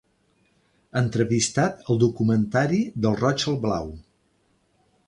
Entrevistat al documentari ‘Del roig al blau’